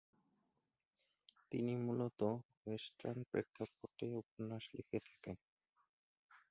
তিনি মূলত ওয়েস্টার্ন প্রেক্ষাপটে উপন্যাস লিখে থাকেন।